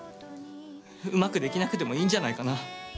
うまくできなくてもいいんじゃないかな。